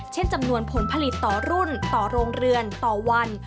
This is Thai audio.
จำนวนผลผลิตต่อรุ่นต่อโรงเรือนต่อวัน